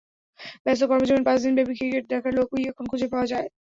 ব্যস্ত কর্মজীবনে পাঁচ দিনব্যাপী ক্রিকেট দেখার লোকই এখন খুঁজে পাওয়া ভার।